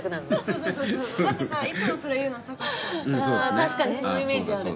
確かにそのイメージある。